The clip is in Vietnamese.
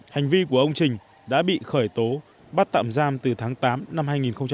hành vi của ông trình đã bị khởi tố bắt tạm giam từ tháng tám năm hai nghìn một mươi ba